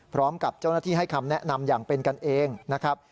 พร้อมกับเจ้าหน้าที่ให้คำแนะนำอย่างเป็นกันเองนะครับ